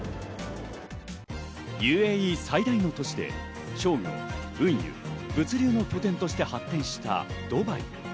ＵＡＥ最大の都市で商業、運輸、物流の拠点として発展したドバイ。